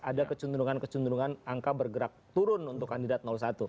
ada kecenderungan kecenderungan angka bergerak turun untuk kandidat satu